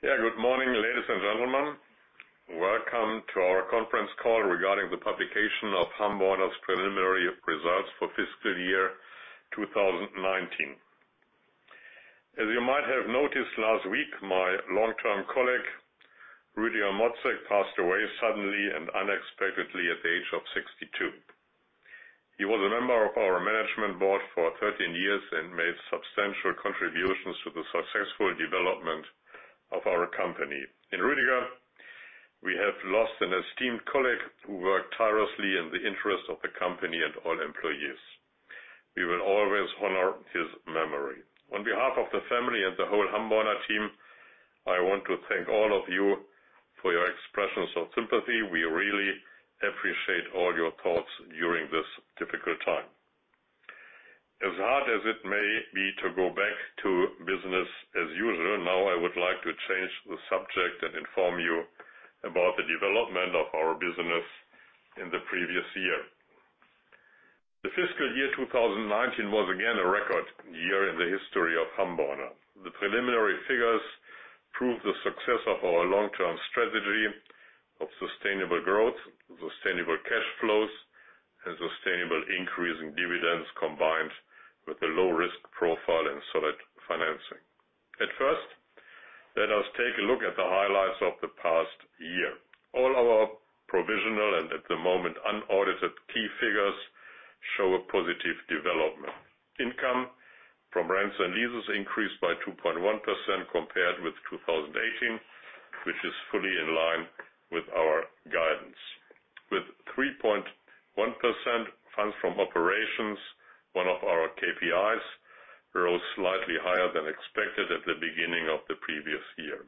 Yeah. Good morning, ladies and gentlemen. Welcome to our conference call regarding the publication of Hamborner's preliminary results for fiscal year 2019. As you might have noticed last week, my long-term colleague, Rüdiger Mrotzek, passed away suddenly and unexpectedly at the age of 62. He was a member of our management board for 13 years and made substantial contributions to the successful development of our company. In Rüdiger, we have lost an esteemed colleague who worked tirelessly in the interest of the company and all employees. We will always honor his memory. On behalf of the family and the whole Hamborner team, I want to thank all of you for your expressions of sympathy. We really appreciate all your thoughts during this difficult time. As hard as it may be to go back to business as usual, now I would like to change the subject and inform you about the development of our business in the previous year. The fiscal year 2019 was again, a record year in the history of Hamborner. The preliminary figures prove the success of our long-term strategy of sustainable growth, sustainable cash flows, and sustainable increase in dividends, combined with a low-risk profile and solid financing. At first, let us take a look at the highlights of the past year. All our provisional and at the moment, unaudited key figures show a positive development. Income from rents and leases increased by 2.1% compared with 2018, which is fully in line with our guidance. With 3.1% funds from operations, one of our KPIs rose slightly higher than expected at the beginning of the previous year.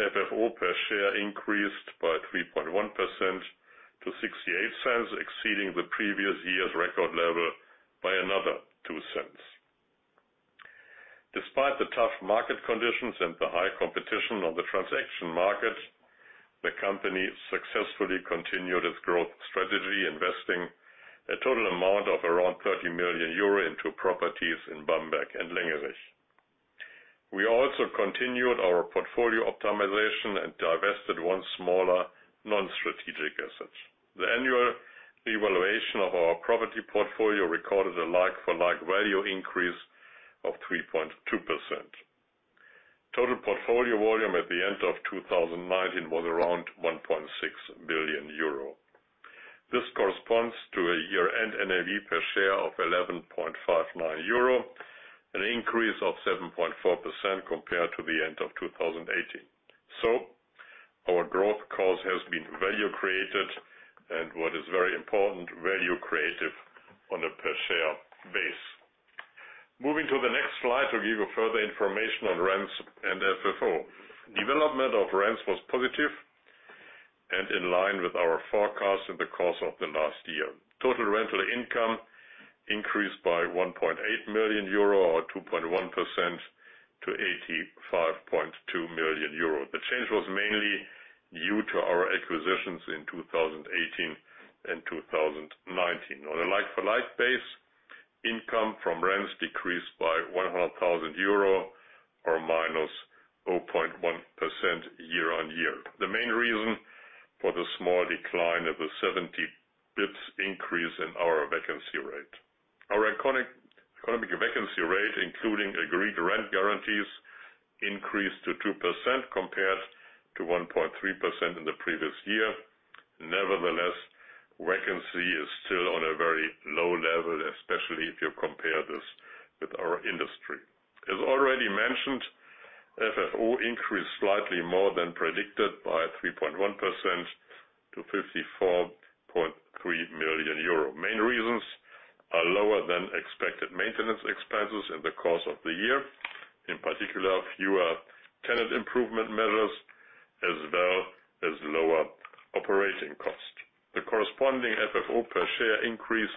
FFO per share increased by 3.1% to 0.68, exceeding the previous year's record level by another 0.02. Despite the tough market conditions and the high competition on the transaction market, the company successfully continued its growth strategy, investing a total amount of around 30 million euro into properties in Bamberg and Lengerich. We also continued our portfolio optimization and divested one smaller non-strategic asset. The annual evaluation of our property portfolio recorded a like-for-like value increase of 3.2%. Total portfolio volume at the end of 2019 was around 1.6 billion euro. This corresponds to a year-end NAV per share of 11.59 euro, an increase of 7.4% compared to the end of 2018. Our growth course has been value created and what is very important, value creative on a per share basis. Moving to the next slide to give you further information on rents and FFO. Development of rents was positive and in line with our forecast in the course of the last year. Total rental income increased by 1.8 million euro, or 2.1% to 85.2 million. The change was mainly due to our acquisitions in 2018 and 2019. On a like-for-like base, income from rents decreased by 100,000 euro, or minus 0.1% year-on-year. The main reason for the small decline of the 70 basis points increase in our vacancy rate. Our economic vacancy rate, including agreed rent guarantees, increased to 2% compared to 1.3% in the previous year. Nevertheless, vacancy is still on a very low level, especially if you compare this with our industry. As already mentioned, FFO increased slightly more than predicted by 3.1% to 54.3 million euro. Main reasons are lower than expected maintenance expenses in the course of the year, in particular, fewer tenant improvement measures as well as lower operating costs. The corresponding FFO per share increased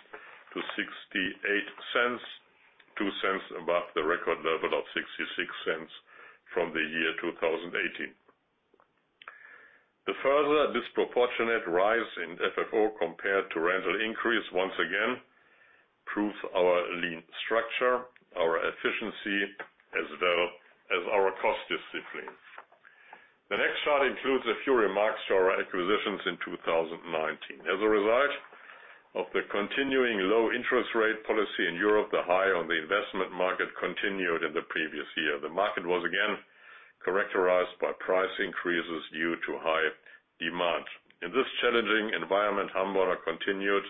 to 0.68, 0.02 above the record level of 0.66 from the year 2018. The further disproportionate rise in FFO compared to rental increase once again proves our lean structure, our efficiency, as well as our cost discipline. The next slide includes a few remarks to our acquisitions in 2019. As a result of the continuing low interest rate policy in Europe, the high on the investment market continued in the previous year. The market was again characterized by price increases due to high demand. In this challenging environment, Hamborner continued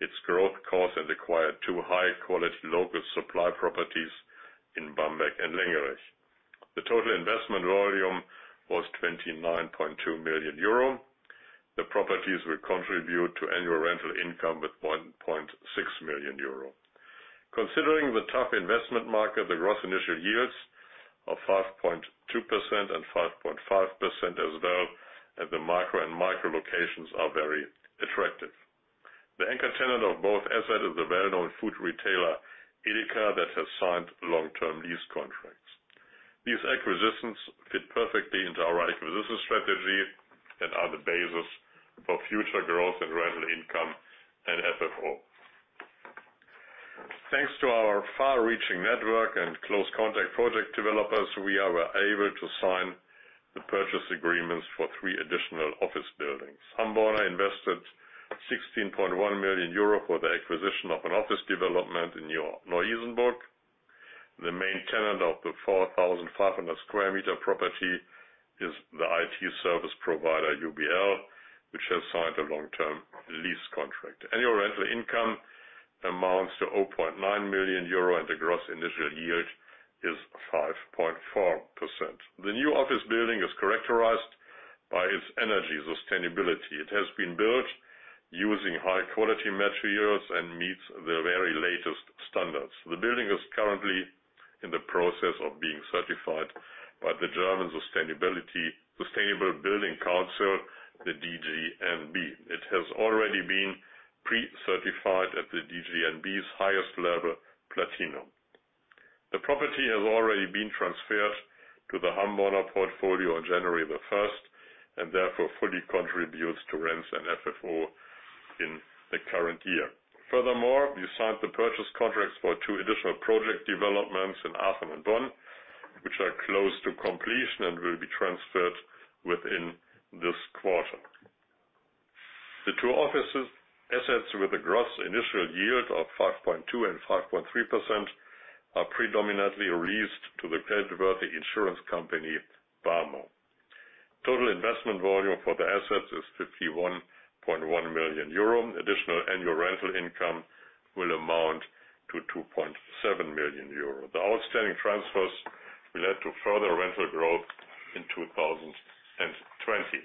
its growth course and acquired two high-quality local supply properties in Bamberg and Lengerich. The total investment volume was 29.2 million euro. The properties will contribute to annual rental income with 1.6 million euro. Considering the tough investment market, the gross initial yields of 5.2% and 5.5% as well at the macro and micro locations are very attractive. The anchor tenant of both asset is the well-known food retailer, EDEKA, that has signed long-term lease contracts. These acquisitions fit perfectly into our acquisition strategy and are the basis for future growth in rental income and FFO. Thanks to our far-reaching network and close contact project developers, we are able to sign the purchase agreements for three additional office buildings. Hamborner invested 16.1 million euro for the acquisition of an office development in your Neu-Isenburg. The main tenant of the 4,500 sq m property is the IT service provider UBL, which has signed a long-term lease contract. Annual rental income amounts to 0.9 million euro and the gross initial yield is 5.4%. The new office building is characterized by its energy sustainability. It has been built using high-quality materials and meets the very latest standards. The building is currently in the process of being certified by the German Sustainable Building Council, the DGNB. It has already been pre-certified at the DGNB's highest level, platinum. The property has already been transferred to the Hamborner portfolio on January 1st, and therefore fully contributes to rents and FFO in the current year. Furthermore, we signed the purchase contracts for two additional project developments in Aachen and Bonn, which are close to completion and will be transferred within this quarter. The two office assets with a gross initial yield of 5.2% and 5.3% are predominantly leased to the [inaudible] insurance company, BARMER. Total investment volume for the assets is 51.1 million euro. Additional annual rental income will amount to 2.7 million euro. The outstanding transfers will lead to further rental growth in 2020.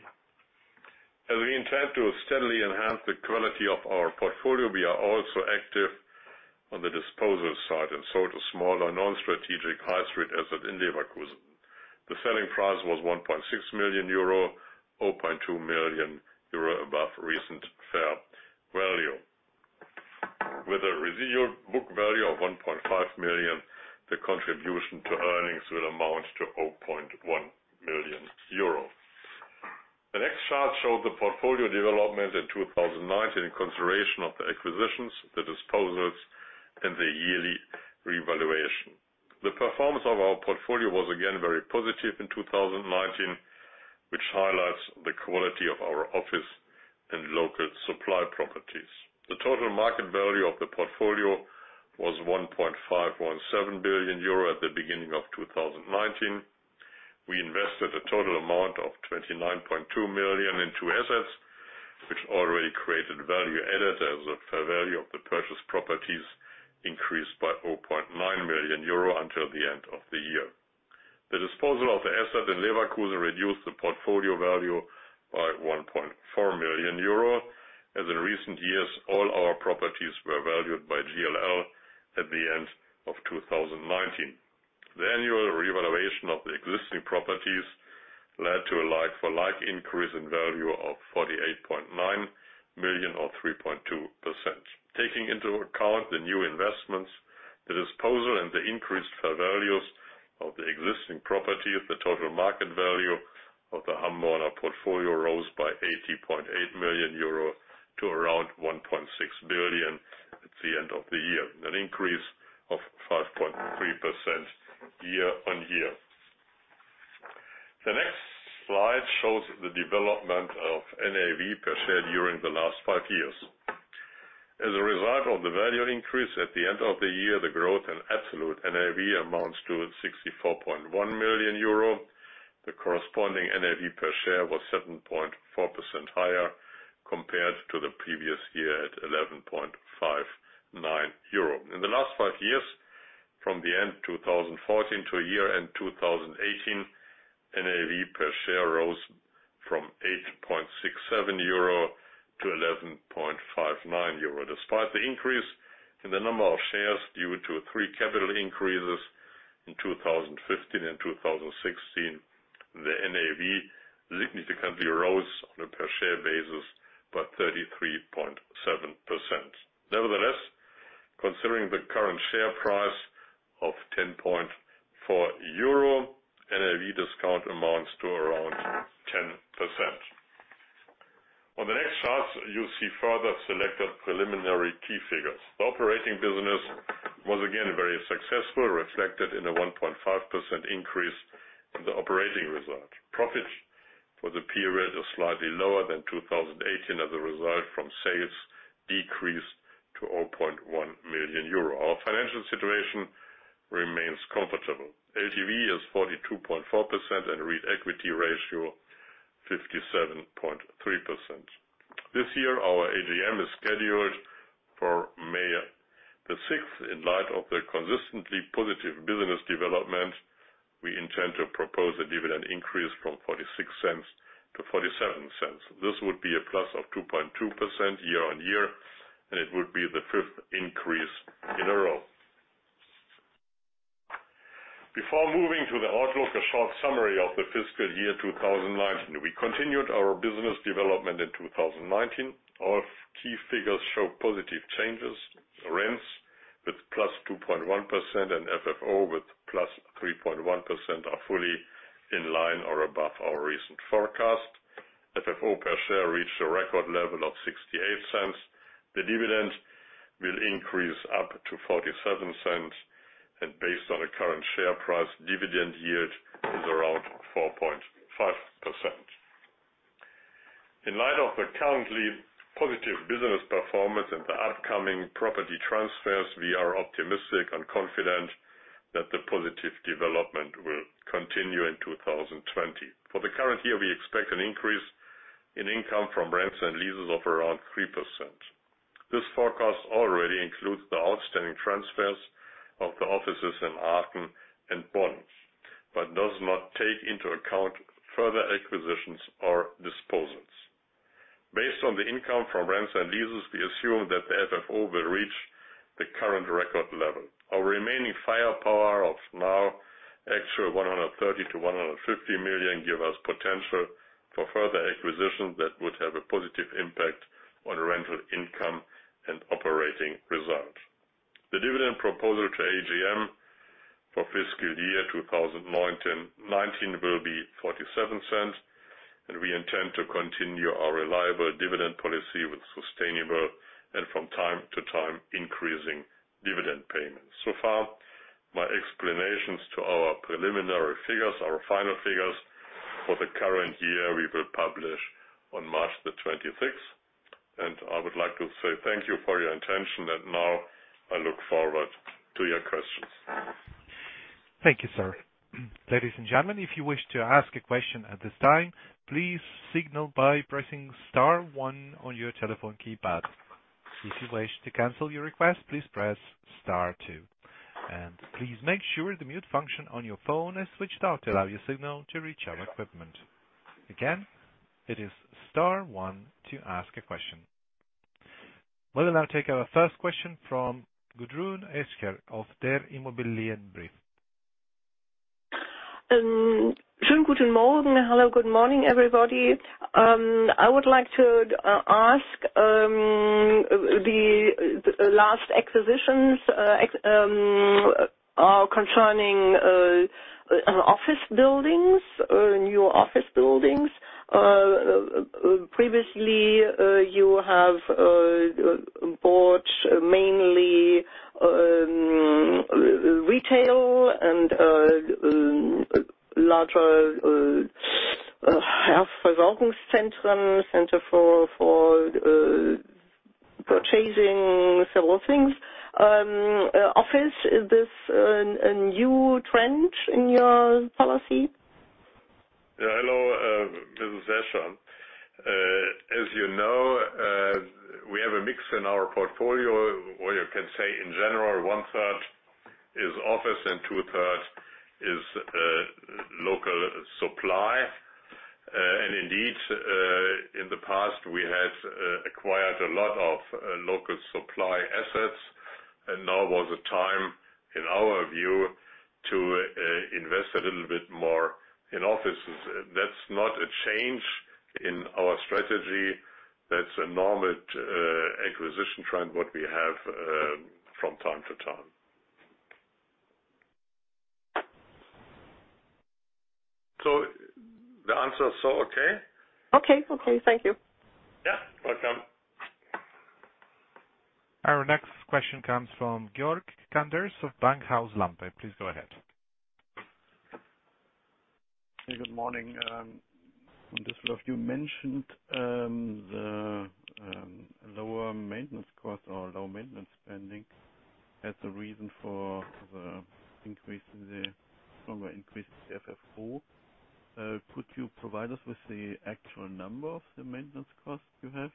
As we intend to steadily enhance the quality of our portfolio, we are also active on the disposal side and sold a smaller non-strategic high street asset in Leverkusen. The selling price was 1.6 million euro, 0.2 million euro above recent fair value. With a residual book value of 1.5 million, the contribution to earnings will amount to 0.1 million euro. The next chart shows the portfolio development in 2019 in consideration of the acquisitions, the disposals, and the yearly revaluation. The performance of our portfolio was again very positive in 2019, which highlights the quality of our office and local supply properties. The total market value of the portfolio was 1.517 billion euro at the beginning of 2019. We invested a total amount of 29.2 million into assets, which already created value added as the fair value of the purchased properties increased by 0.9 million euro until the end of the year. The disposal of the asset in Leverkusen reduced the portfolio value by 1.4 million euro. As in recent years, all our properties were valued by GLL at the end of 2019. The annual revaluation of the existing properties led to a like-for-like increase in value of 48.9 million or 3.2%. Taking into account the new investments, the disposal and the increased fair values of the existing properties, the total market value of the Hamborner portfolio rose by 80.8 million euro to around 1.6 billion at the end of the year, an increase of 5.3% year-over-year. The next slide shows the development of NAV per share during the last five years. As a result of the value increase at the end of the year, the growth in absolute NAV amounts to 64.1 million euro. The corresponding NAV per share was 7.4% higher compared to the previous year at 11.59 euro. In the last five years, from the end 2014 to year-end 2018, NAV per share rose from 8.67 euro to 11.59 euro. Despite the increase in the number of shares due to three capital increases in 2015 and 2016, the NAV significantly rose on a per share basis by 33.7%. Nevertheless, considering the current share price of 10.4 euro, NAV discount amounts to around 10%. On the next charts, you see further selected preliminary key figures. The operating business was again very successful, reflected in a 1.5% increase in the operating result. Profit for the period is slightly lower than 2018 as a result from sales decreased to 0.1 million euro. Our financial situation remains comfortable. LTV is 42.4% and REIT equity ratio 57.3%. This year, our AGM is scheduled for May 6th. In light of the consistently positive business development, we intend to propose a dividend increase from 0.46-0.47. This would be of +2.2% year-over-year, and it would be the fifth increase in a row. Before moving to the outlook, a short summary of the fiscal year 2019. We continued our business development in 2019. All key figures show positive changes. Rents with +2.1% and FFO with +3.1% are fully in line or above our recent forecast. FFO per share reached a record level of 0.68. The dividend will increase up to 0.47, and based on the current share price, dividend yield is around 4.5%. In light of the currently positive business performance and the upcoming property transfers, we are optimistic and confident that the positive development will continue in 2020. For the current year, we expect an increase in income from rents and leases of around 3%. This forecast already includes the outstanding transfers of the offices in Aachen and Bonn, but does not take into account further acquisitions or disposals. Based on the income from rents and leases, we assume that the FFO will reach the current record level. Our remaining firepower of now extra 130 million-150 million give us potential for further acquisitions that would have a positive impact on rental income and operating results. The dividend proposal to AGM for fiscal year 2019 will be 0.47, and we intend to continue our reliable dividend policy with sustainable and, from time to time, increasing dividend payments. My explanations to our preliminary figures. Our final figures for the current year we will publish on March the 26th. I would like to say thank you for your attention. Now, I look forward to your questions. Thank you, sir. Ladies and gentlemen, if you wish to ask a question at this time, please signal by pressing star one on your telephone keypad. If you wish to cancel your request, please press star two. Please make sure the mute function on your phone is switched off to allow your signal to reach our equipment. Again, it is star one to ask a question. We will now take our first question from Gudrun Escher of Der Immobilienbrief. Hello, good morning, everybody. I would like to ask, the last acquisitions are concerning office buildings, new office buildings. Previously, you have bought mainly retail and large-scale retail. Office, is this a new trend in your policy? Yeah, hello, Mrs. Escher. As you know, we have a mix in our portfolio where you can say, in general, one-third is office and two-third is local supply. Indeed, in the past, we had acquired a lot of local supply assets. Now was the time, in our view, to invest a little bit more in offices. That's not a change in our strategy. That's a normal acquisition trend, what we have from time to time. The answer is so okay? Okay. Thank you. Yeah. Welcome. Our next question comes from Georg Kanders of Bankhaus Lampe. Please go ahead. Good morning. On this, you mentioned the lower maintenance cost or low maintenance spending as a reason for the increase in the FFO. Could you provide us with the actual number of the maintenance cost you have?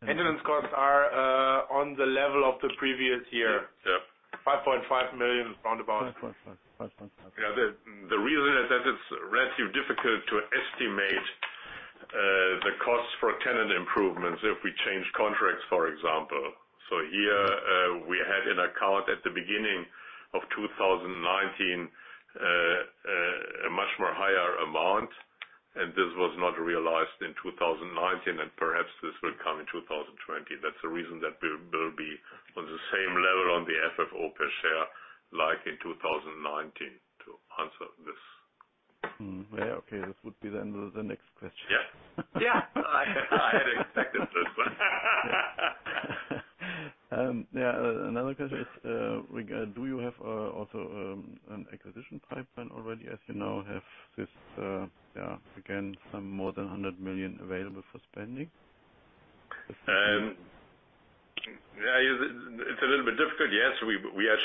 Maintenance costs are on the level of the previous year. Yeah. 5.5 million, round about. The reason is that it's relatively difficult to estimate the cost for tenant improvements if we change contracts, for example. Here, we had in account at the beginning of 2019 a much more higher amount, and this was not realized in 2019. Perhaps this will come in 2020. That's the reason that we will be on the same level on the FFO per share like in 2019, to answer this. Yeah. Okay. This would be then the next question. Yes. I had expected this one. Yeah. Another question is, do you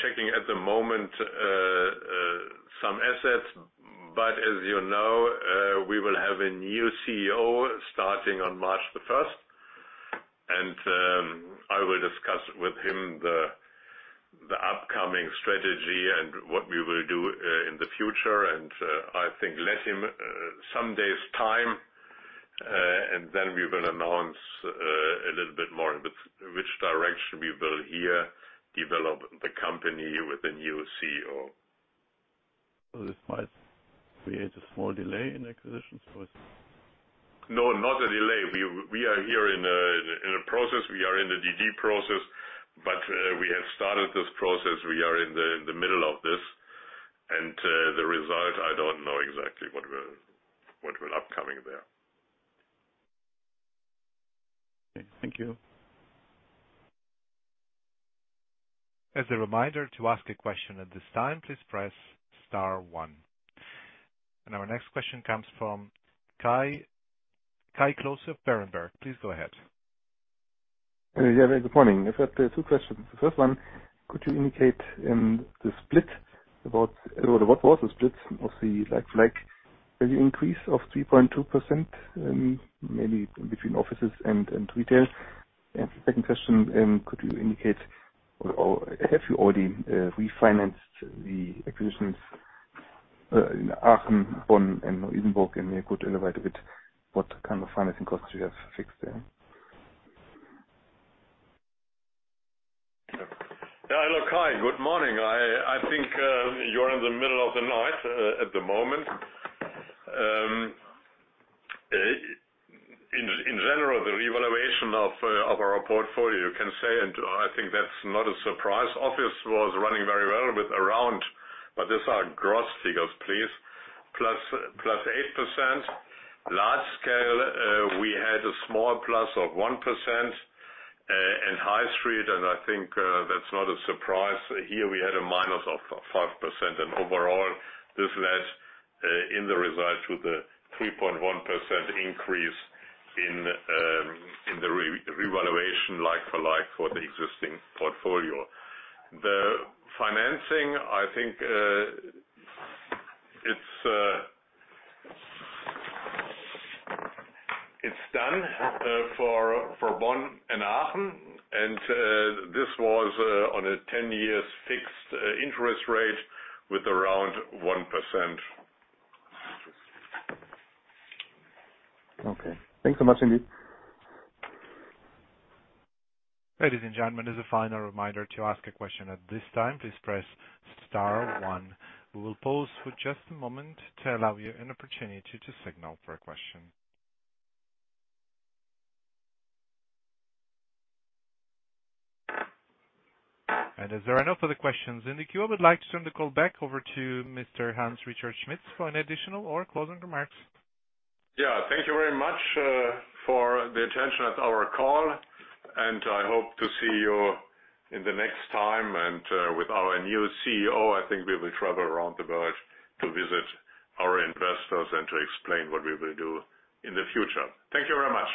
have also an acquisition pipeline already as you now have this, again, some more than EUR 100 million available for spending? It's a little bit difficult. Yes, we are checking at the moment some assets. As you know, we will have a new CEO starting on March the 1st. I will discuss with him the upcoming strategy and what we will do in the future. I think let him some days' time, we will announce a little bit more in which direction we will here develop the company with a new CEO. This might create a small delay in acquisitions? No, not a delay. We are here in a process. We are in the DD process, but we have started this process. We are in the middle of this. The result, I don't know exactly what will upcoming there. Okay, thank you. As a reminder, to ask a question at this time, please press star one. Our next question comes from Kai Klose of Berenberg. Please go ahead. Yeah. Good morning. I've got two questions. The first one, could you indicate the split about what was the splits of the like-for-like value increase of 3.2%, maybe between offices and retail? Second question, could you indicate, or have you already refinanced the acquisitions in Aachen, Bonn, and Neu-Isenburg? You could elaborate a bit what kind of financing costs you have fixed there. Yeah. Look, Kai, good morning. I think you're in the middle of the night at the moment. In general, the revaluation of our portfolio can say. I think that's not a surprise. Office was running very well with around. These are gross figures, please, +8%. Large scale, we had a small of 1%. In high street. I think that's not a surprise, here we had a of -5%. Overall, this led in the result to the 3.1% increase in the revaluation like-for-like for the existing portfolio. The financing, I think it's done for Bonn and Aachen. This was on a 10-year fixed interest rate with around 1%. Okay. Thanks so much, indeed. Ladies and gentlemen, as a final reminder, to ask a question at this time, please press star one. We will pause for just a moment to allow you an opportunity to signal for a question. As there are no further questions in the queue, I would like to turn the call back over to Mr. Hans Richard Schmitz for any additional or closing remarks. Yeah. Thank you very much for the attention at our call, and I hope to see you in the next time. With our new CEO, I think we will travel around the world to visit our investors and to explain what we will do in the future. Thank you very much.